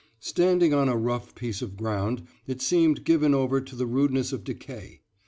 Standing on a rough piece of ground it seemed given over to the rudeness of decay.